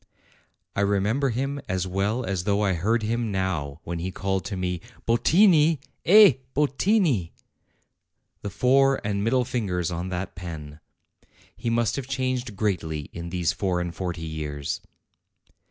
I remember him as well as though I heard him now when he called to me : 'Bottini ! eh, Bottini ! The fore and middle fingers on that pen!' He must have changed greatly in these four and forty years."